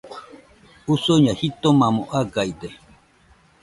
Usuño jitomamo agaide.